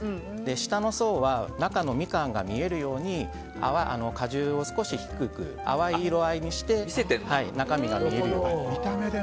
下の層は中のミカンが見えるように果汁を少し低く淡い色合いにして中身が見えるように。